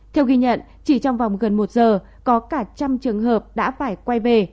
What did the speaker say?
theo ghi nhận chỉ trong vòng gần một giờ có cả trăm trường hợp đã phải quay về